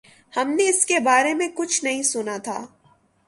ہم نے اس کے بارے میں کچھ نہیں سنا تھا۔